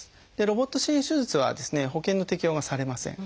ロボット支援手術は保険の適用がされません。